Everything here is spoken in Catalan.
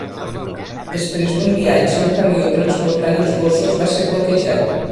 Després d'un viatge, un camió transportant els gossos va ser bloquejat.